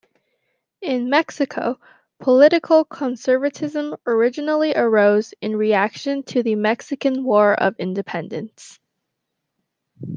In Mexico, political conservatism originally arose in reaction to the Mexican War of Independence.